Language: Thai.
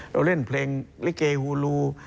เราเล่นเพลงลิเกฮูลู